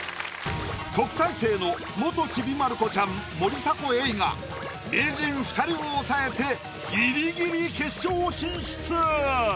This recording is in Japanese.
特待生の元ちびまる子ちゃん森迫永依が名人２人を抑えてギリギリ決勝進出！